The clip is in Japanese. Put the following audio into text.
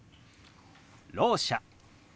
「ろう者」。